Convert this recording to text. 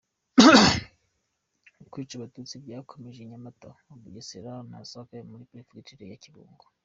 Kwica Abatutsi byakomereje i Nyamata muri Bugesera na Sake muri Perefegitura ya Kibungo.